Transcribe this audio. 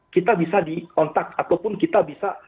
kita bisa di kontak ataupun kita bisa